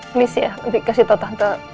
please ya kasih tau tante